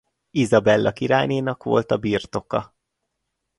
Izabella királynénak volt a birtoka.